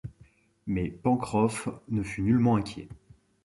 Mais Pencroff ne fut nullement inquiet.